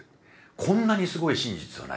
こんなにすごい真実はない。